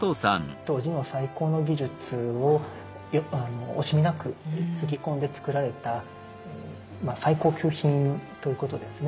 当時の最高の技術を惜しみなくつぎ込んでつくられた最高級品ということですね。